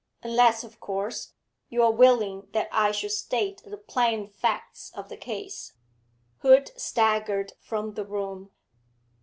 'Unless, of course, you are willing that I should state the plain facts of the case?' Hood staggered from the room....